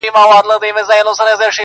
پر همدغه ځای دي پاته دښمني وي؛